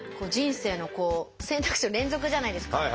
人生のこう選択肢の連続じゃないですか。